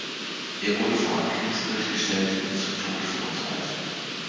Er wurde vor ein Kriegsgericht gestellt und zum Tode verurteilt.